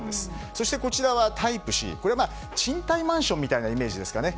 そしてタイプＣは賃貸マンションみたいなイメージですかね。